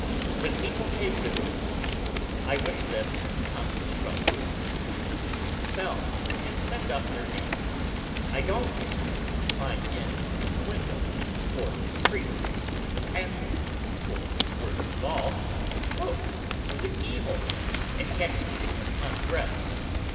When people pay visits to me, I wish them to come to the front door, and ring the bell, and send up their names. I don't wish them to climb in at the window, or creep through the pantry, or, worst of all, float through the key hole, and catch me in undress.